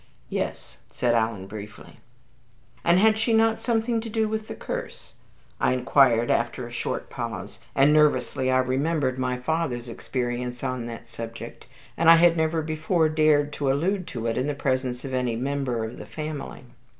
"Yes," said Alan, briefly. "And had she not something to do with the curse?" I inquired after a short pause, and nervously I remembered my father's experience on that subject, and I had never before dared to allude to it in the presence of any member of the family.